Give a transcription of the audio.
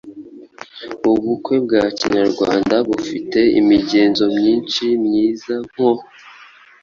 Ubukwe bwa kinyarwanda bufite imigenzo myinshi myiza nko